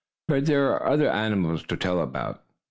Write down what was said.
But there are other animals to tell about.